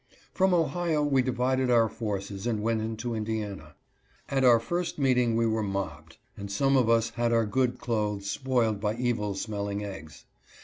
From Ohio we divided our forces and went into Indi ana. At our first meeting we were mobbed, and some of us had our good clothes spoiled by evil smelling eggs.